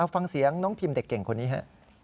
ฟังเสียงน้องพิมเด็กเก่งคนนี้ฮะ